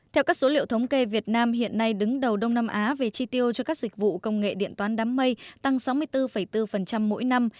theo các số liệu thống kê việt nam hiện nay đứng đầu đông nam á về chi tiêu cho các dịch vụ công nghệ điện toán đám mây tăng sáu mươi bốn bốn mỗi năm